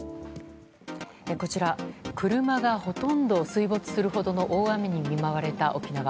こちら車がほとんど水没するほどの大雨に見舞われた沖縄。